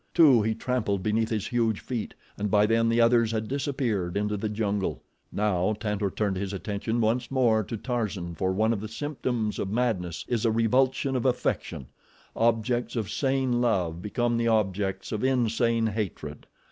Two he trampled beneath his huge feet and by then the others had disappeared into the jungle. Now Tantor turned his attention once more to Tarzan for one of the symptoms of madness is a revulsion of affection—objects of sane love become the objects of insane hatred.